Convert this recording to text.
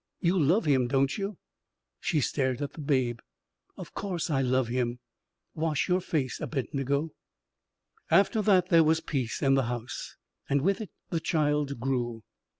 You love him, don't you?" She stared at the babe. "Of course I love him. Wash your face, Abednego." After that there was peace in the house, and with it the child grew.